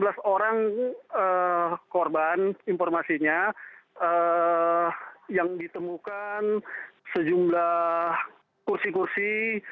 yang korban informasinya yang ditemukan sejumlah kursi kursi